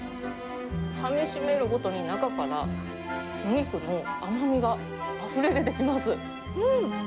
かみしめるごとに中からお肉の甘みがあふれ出てきます。